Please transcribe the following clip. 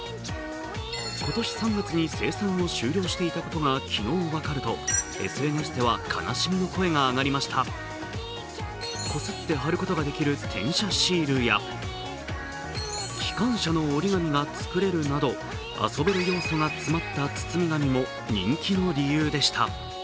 今年３月に生産を終了していたことが昨日分かると、ＳＮＳでは悲しみの声が上がりましたこすって貼ることができる転写シールや機関車の折り紙が作れるなど、遊べる要素が詰まった包み紙も人気の理由でした。